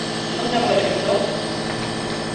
Non dago Egipto?